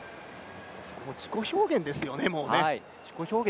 自己表現ですよね、もう。